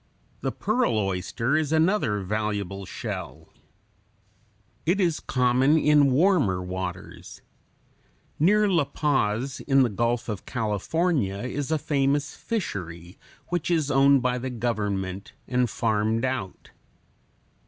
The pearl oyster is another valuable shell (Fig. 85). It is common in warmer waters. Near La Paz in the Gulf of California is a famous fishery, which is owned by the government and farmed out.